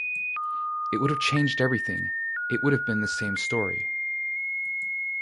It would have changed everything, it wouldn't have been the same story.